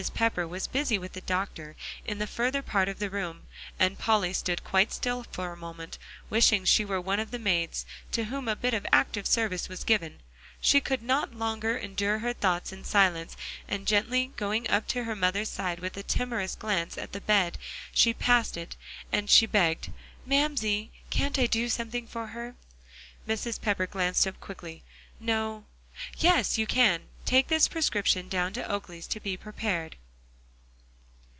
Pepper was busy with the doctor in the further part of the room, and Polly stood quite still for a moment, wishing she were one of the maids, to whom a bit of active service was given. She could not longer endure her thoughts in silence, and gently going up to her mother's side, with a timorous glance at the bed, as she passed it, she begged, "Mamsie, can't I do something for her?" Mrs. Pepper glanced up quickly. "No yes, you can; take this prescription down to Oakley's to be prepared."